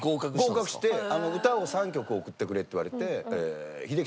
合格して歌を３曲送ってくれって言われて。